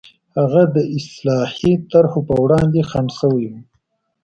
هغه د اصلاحي طرحو پر وړاندې خنډ شوي وو.